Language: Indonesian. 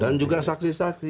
dan juga saksi saksi